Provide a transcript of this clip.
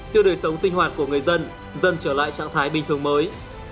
đưa đời sống sinh hoạt của người dân dần trở lại trạng thái bình thường mới